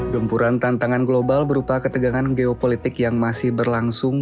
gempuran tantangan global berupa ketegangan geopolitik yang masih berlangsung